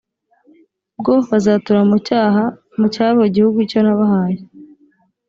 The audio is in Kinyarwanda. bwo bazatura mu cyabo gihugu icyo nahaye